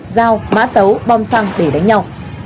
dao má tấu bom xăng để đánh nhau